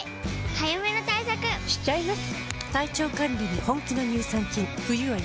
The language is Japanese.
早めの対策しちゃいます。